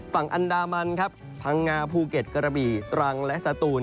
ฝั่งอันดามันครับพังงาภูเก็ตกระบี่ตรังและสตูน